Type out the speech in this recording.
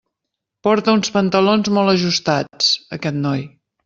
Porta uns pantalons molt ajustats, aquest noi.